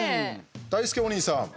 だいすけお兄さん。